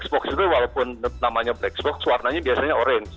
walaupun namanya black box warnanya biasanya orange